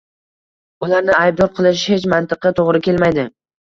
Ularni aybdor qilish hech mantiqqa to‘g‘ri kelmaydi